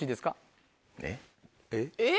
えっ？